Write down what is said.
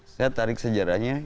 saya tarik sejarahnya